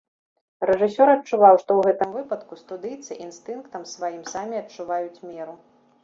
Рэжысёр адчуваў, што ў гэтым выпадку студыйцы інстынктам сваім самі адчуваюць меру.